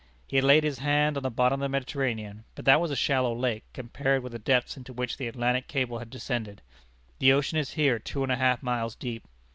He had laid his hand on the bottom of the Mediterranean, but that was a shallow lake compared with the depths into which the Atlantic cable had descended. The ocean is here two and a half miles deep.